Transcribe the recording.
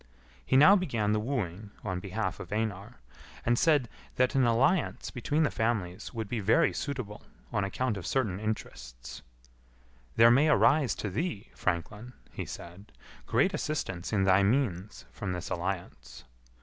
He now began the wooing on behalf of Einar, and said that an alliance between the families would be very suitable on account of certain interests. "There may arise to thee, franklin," he said, "great assistance in thy means from this alliance."